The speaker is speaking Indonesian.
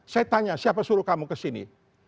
saya tanya siapa suruh kamu kesini